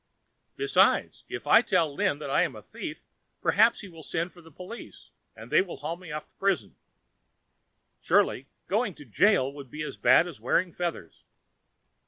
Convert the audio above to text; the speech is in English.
Besides, if I tell Lin that I am a thief, perhaps he will send for a policeman and they will haul me off to prison. Surely going to jail would be as bad as wearing feathers.